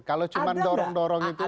kalau cuma dorong dorong itu